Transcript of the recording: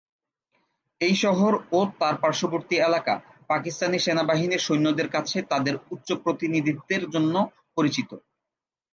এই শহর ও তার পার্শ্ববর্তী এলাকা পাকিস্তানি সেনাবাহিনীর সৈন্যদের কাছে তাদের উচ্চ প্রতিনিধিত্বের জন্য পরিচিত।